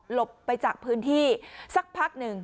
ไปจากพื้นที่สักพักหนึ่ง